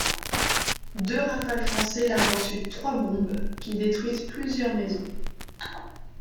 Deux Rafale français larguent ensuite trois bombes qui détruisent plusieurs maisons.